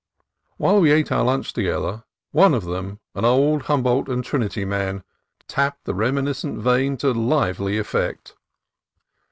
While we ate our lunch together, one of them, an old Humboldt and Trinity man, tapped the reminiscent vein to lively effect.